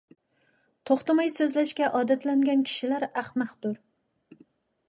توختىماي سۆزلەشكە ئادەتلەنگەن كىشىلەر ئەخمەقتۇر.